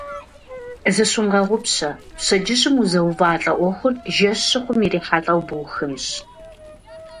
Зыщумыгъэгъупщэ: пщэдджыжьым узэувалӀэ Ӏуэхур жэщ щыхъум ирихьэлӀэу бухынщ.